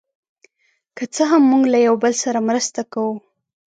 که څه هم، موږ له یو بل سره مرسته کوو.